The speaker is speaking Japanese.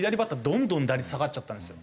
どんどん打率下がっちゃったんですよ。